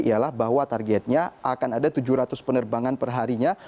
ialah bahwa targetnya akan ada tujuh ratus penerbangan perharinya